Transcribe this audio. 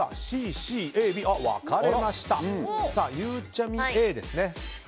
ゆうちゃみ、Ａですね。